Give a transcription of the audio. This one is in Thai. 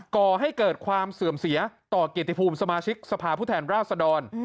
ก่อให้เกิดความเสื่อมเสียต่อเกียรติภูมิสมาชิกสภาพผู้แทนราชดร